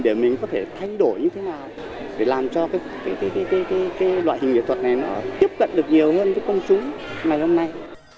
để mình có thể thay đổi như thế nào để làm cho cái loại hình nghệ thuật này nó tiếp cận được nhiều hơn với công chúng ngày hôm nay